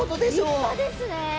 立派ですね。